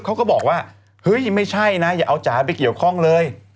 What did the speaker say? เขาก็บอกว่าเฮ้ยไม่ใช่นะอย่าเอาจ๋าไปเกี่ยวข้องเลย